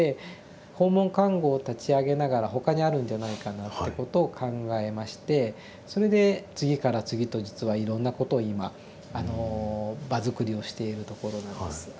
訪問看護を立ち上げながら他にあるんじゃないかなってことを考えましてそれで次から次と実はいろんなことを今場づくりをしているところなんです。